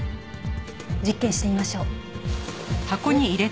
実験してみましょう。